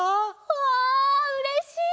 わうれしい！